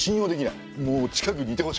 もう近くにいてほしくない。